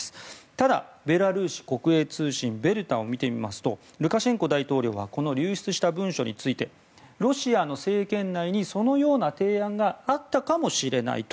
ただ、ベラルーシ国営通信ベルタを見てみますとルカシェンコ大統領はこの流出した文書についてロシアの政権内にそのような提案があったかもしれないと。